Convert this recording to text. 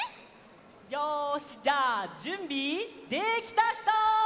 よしじゃあじゅんびできたひと！